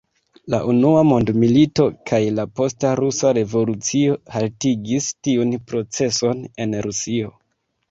La unua mondmilito kaj la posta rusa revolucio haltigis tiun proceson en Rusio.